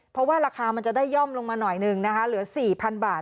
เพราะว่าราคามันจะได้ย่อมลงมาหน่อยหนึ่งนะคะเหลือ๔๐๐๐บาท